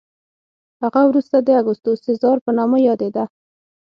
هغه وروسته د اګوستوس سزار په نامه یادېده